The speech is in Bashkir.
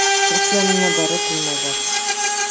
Ут янына дары ҡуймайҙар.